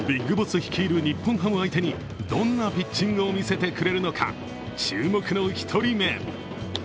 ＢＩＧＢＯＳＳ率いる日本ハム相手にどんなピッチングをみせてくれるのか、注目の１人目。